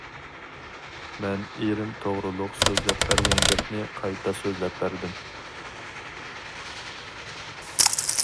مەن ئېرىم توغرۇلۇق سۆزلەپ بەرگەن گەپنى قايتا سۆزلەپ بەردىم.